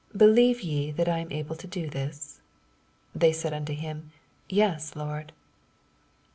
Believe ye that I am able to do this f They said nnto him. Yea, Lord.